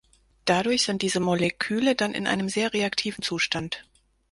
Dadurch sind diese Moleküle dann in einem sehr reaktiven Zustand.